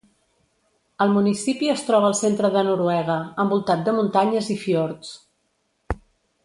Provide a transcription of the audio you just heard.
El municipi es troba al centre de Noruega, envoltat de muntanyes i fiords.